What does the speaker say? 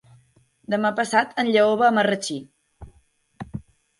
Demà passat en Lleó va a Marratxí.